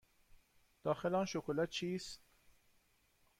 داخل آن شکلات چیست؟